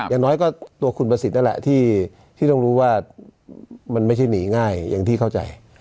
อย่างน้อยก็ตัวคุณประสิทธิ์นั่นแหละที่ต้องรู้ว่ามันไม่ใช่หนีง่ายอย่างที่เข้าใจ